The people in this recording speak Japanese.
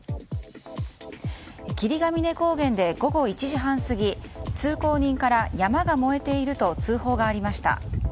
霧ヶ峰高原で午後１時半過ぎ通行人から山が燃えていると通報がありました。